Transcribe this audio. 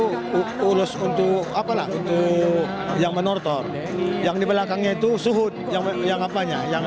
hai pulus untuk apalah itu yang menortor yang di belakangnya itu suhut yang yang apanya yang